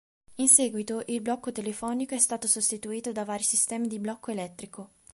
In seguito, il blocco telefonico è stato sostituito da vari sistemi di blocco elettrico.